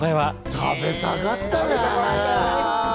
食べたかったね。